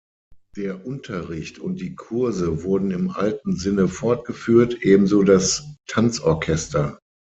Der Unterricht und die Kurse wurden im alten Sinne fortgeführt, ebenso das Tanzorchester.